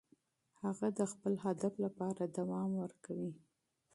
هغه د خپل هدف لپاره دوام ورکوي.